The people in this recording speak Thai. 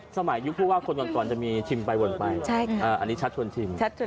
ยุคผู้ว่าคนก่อนจะมีชิมไปวนไปอันนี้ชัดชวนชิม